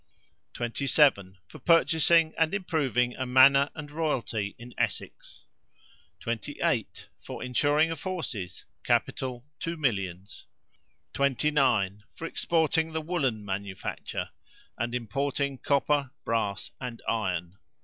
27. For purchasing and improving a manor and royalty in Essex. 28. For insuring of horses. Capital, two millions. 29. For exporting the woollen manufacture, and importing copper, brass, and iron.